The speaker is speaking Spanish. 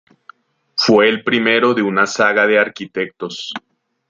Fue el primero de una saga de arquitectos.